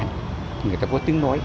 thì người ta có tương đối